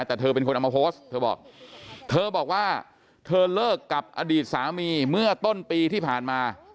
แต่เธอเป็นคนเอามาโพสต์เธอบอกเธอบอกว่าเธอเลิกกับอดีตสามีเมื่อต้นปีที่ผ่านมา